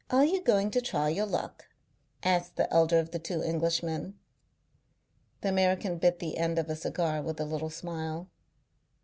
"Are you going to try your luck?" asked the elder of the two Englishmen. The American bit the end off a cigar with a little smile.